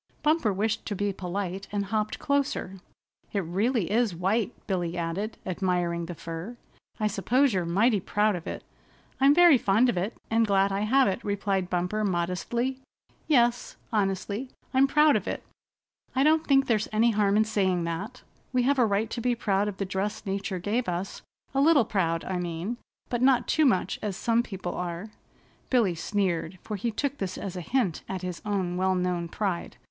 Bumper wished to be polite and hopped closer. "It really is white," Billy added, admiring the fur. "I suppose you're mighty proud of it." "I'm very fond of it, and glad I have it," replied Bumper modestly. "Yes," honestly, "I'm proud of it. I don't think there's any harm in saying that. We have a right to be proud of the dress nature gave us a little proud, I mean, but not too much as some people are." Billy sneered, for he took this as a hint at his own well known pride.